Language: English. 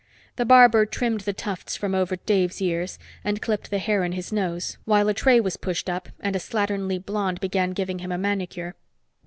The barber trimmed the tufts from over Dave's ears and clipped the hair in his nose, while a tray was pushed up and a slatternly blonde began giving him a manicure.